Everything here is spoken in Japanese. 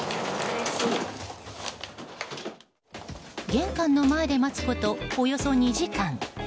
玄関の前で待つことおよそ２時間。